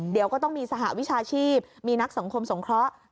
เดี๋ยวก็ต้องมีสหวิชาชีพมีนักสังคมสงเคราะห์